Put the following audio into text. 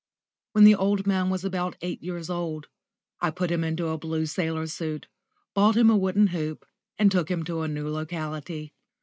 When the old man was about eight years old, I put him into a blue sailor suit, bought him a wooden hoop, and took him to a new locality.